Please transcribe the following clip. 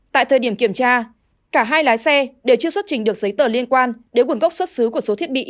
tại thời điểm kiểm tra cả hai lái xe đều chưa xuất trình được giấy tờ liên quan đến nguồn gốc xuất xứ của số thiết bị